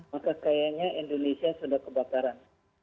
maka kayaknya indonesia sudah kebakaran